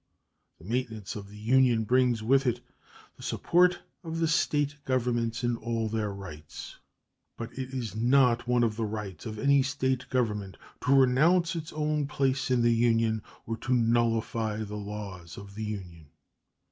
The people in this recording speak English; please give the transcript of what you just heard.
The maintenance of the Union brings with it "the support of the State governments in all their rights," but it is not one of the rights of any State government to renounce its own place in the Union or to nullify the laws of the Union.